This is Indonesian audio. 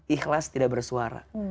ikhlas tidak bersuara